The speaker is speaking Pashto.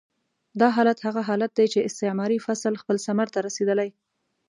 دا حالت هغه حالت دی چې استعماري فصل خپل ثمر ته رسېدلی.